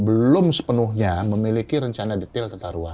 belum sepenuhnya memiliki rencana detail tata ruang